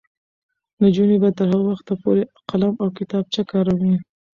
نجونې به تر هغه وخته پورې قلم او کتابچه کاروي.